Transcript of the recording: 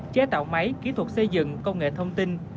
chế tạo máy kỹ thuật xây dựng công nghệ thông tin